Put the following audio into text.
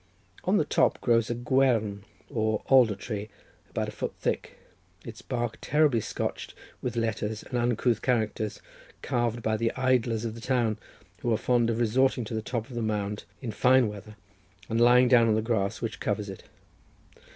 On the top grows a gwern, or alder tree, about a foot thick, its bark terribly scotched with letters and uncouth characters, carved by the idlers of the town, who are fond of resorting to the top of the mound in fine weather, and lying down on the grass which covers it.